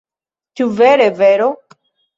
Ĉu vere vero?